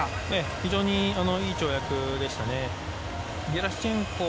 非常にいい跳躍でしたね。